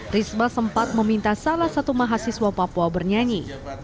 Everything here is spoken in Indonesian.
risma sempat meminta salah satu mahasiswa papua bernyanyi